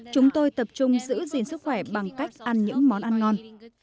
chúng tôi tập trung giữ gìn sức khỏe bằng cách ăn những món ăn ngon